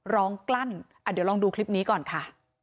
ร้องกลั้นเดี๋ยวลองดูคลิปนี้ก่อนค่ะ